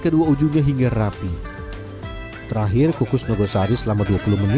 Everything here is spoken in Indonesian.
sorghum yang telah terfermentasi selama satu jam